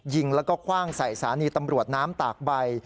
ยิงแล้วก็คว่างใส่สถานีตำรวจน้ำตากใบ